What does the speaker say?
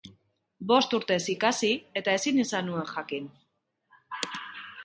Bost urtez ikasi eta ezin izan nuen jakin.